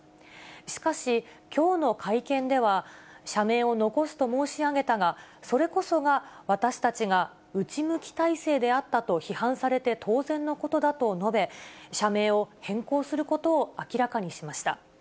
しかし、きょうの会見では、社名を残すと申し上げたが、それこそが私たちが内向き体制であったと批判されて当然のことだと述べ、社名を変更することを明らかにしました。